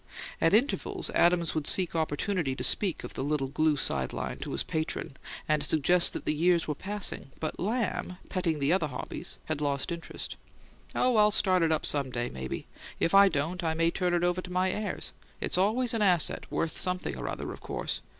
At intervals Adams would seek opportunity to speak of "the little glue side line" to his patron, and to suggest that the years were passing; but Lamb, petting other hobbies, had lost interest. "Oh, I'll start it up some day, maybe. If I don't, I may turn it over to my heirs: it's always an asset, worth something or other, of course.